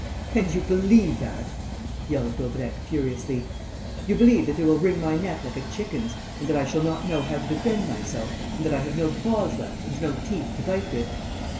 "And you believe that!" yelled Daubrecq, furiously. "You believe that they will wring my neck like a chicken's and that I shall not know how to defend myself and that I have no claws left and no teeth to bite with!